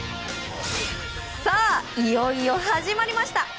さあいよいよ始まりました。